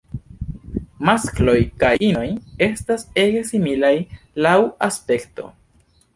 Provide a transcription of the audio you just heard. Maskloj kaj inoj estas ege similaj laŭ aspekto.